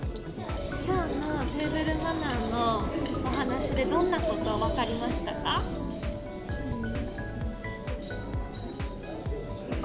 きょうのテーブルマナーのお話で、どんなことが分かりましたか？